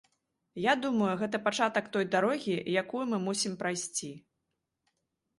Я думаю, гэта пачатак той дарогі, якую мы мусім прайсці.